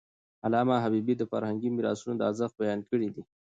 علامه حبيبي د فرهنګي میراثونو ارزښت بیان کړی دی.